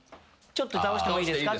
「ちょっと倒してもいいですか？」